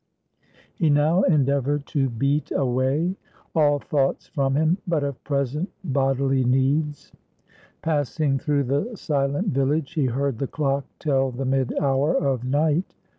He now endeavored to beat away all thoughts from him, but of present bodily needs. Passing through the silent village, he heard the clock tell the mid hour of night.